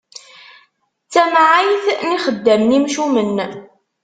D tamɛayt n ixeddamen imcumen.